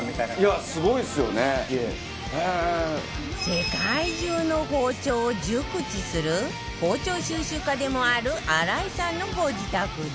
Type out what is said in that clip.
世界中の包丁を熟知する包丁収集家でもある荒井さんのご自宅で